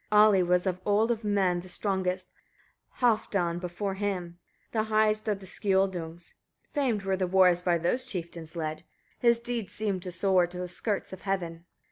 15. Ali was of old of men the strongest, Halfdan before him, the highest of the Skioldungs; (Famed were the wars by those chieftains led) his deeds seemed to soar to the skirts of heaven.